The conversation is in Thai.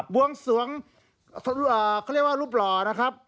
วงสวงเขาเรียกว่ารูปหล่อนะครับ